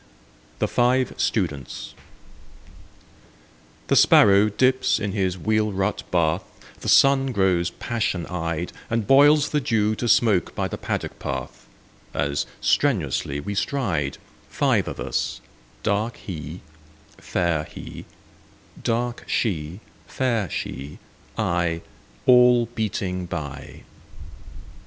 THE FIVE STUDENTS THE sparrow dips in his wheel rut bath, The sun grows passionate eyed, And boils the dew to smoke by the paddock path; As strenuously we stride,— Five of us; dark He, fair He, dark She, fair She, I, All beating by.